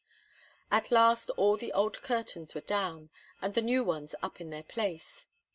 At last all the old curtains were down, and the new ones up in their place.